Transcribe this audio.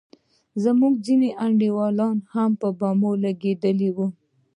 زموږ ځينې انډيوالان هم په بمونو لگېدلي وو.